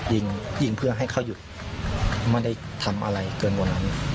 หยิงพรื่อให้เขาหยุดไม่ได้ทำอะไรเกินวนตอนนั้น